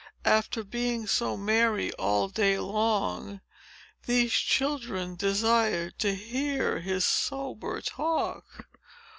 After being so merry, all day long, did these children desire to hear his sober talk?